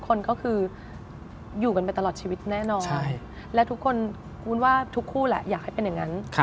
แต่งงานกันแล้วก็เลิกลา